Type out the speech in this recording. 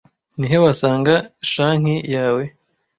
Ni he wasanga shanki yawe